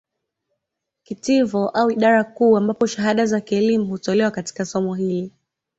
Kitivo au idara kuu ambapo shahada za kielimu hutolewa katika somo hili